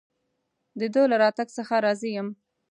د ده له راتګ څخه راضي یم.